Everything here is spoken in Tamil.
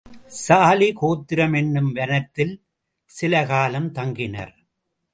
சாலி கோத்திரம் என்னும் வனத்தில் சில காலம் தங்கினர்.